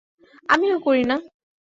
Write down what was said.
আমিও করি না।